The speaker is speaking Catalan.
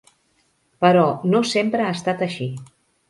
Però no sempre ha estat així.